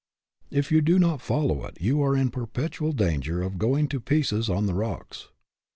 If you do not follow it you are in perpetual danger of going to pieces on the rocks.